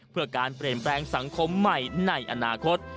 เพื่อการเปลี่ยนแปลงสังคมใหม่ในอนาคต